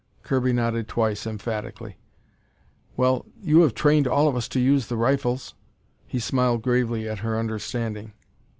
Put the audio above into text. Kirby nodded twice, emphatically. "Well, you have trained all of us to use the rifles." He smiled gravely at her understanding.